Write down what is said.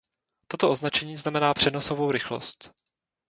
Toto označení znamená přenosovou rychlost.